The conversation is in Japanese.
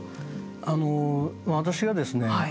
あの私がですね